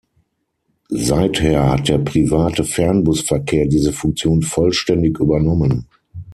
Seither hat der private Fernbusverkehr diese Funktion vollständig übernommen.